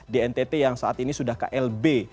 di ntt yang saat ini sudah klb